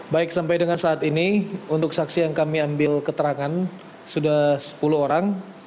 baik sampai dengan saat ini untuk saksi yang kami ambil keterangan sudah sepuluh orang